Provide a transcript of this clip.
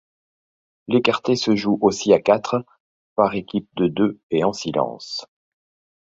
L'écarté se joue aussi à quatre, par équipes de deux et en silence.